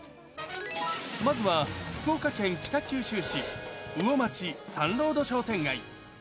まずは福岡県北九州市魚町サンロード商店街。